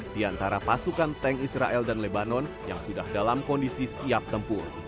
di antara pasukan tank israel dan lebanon yang sudah dalam kondisi siap tempur